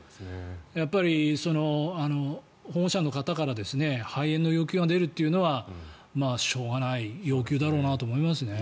やっぱり、保護者の方から廃園の要求が出るというのはしょうがない要求だろうなと思いますね。